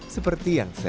seperti yang saya jelaskan